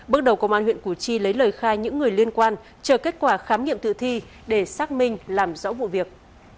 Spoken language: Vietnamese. bước đầu công an huyện củ chi lấy lời khai những người liên quan chờ kết quả khám nghiệm tử thi để xác minh làm rõ vụ việc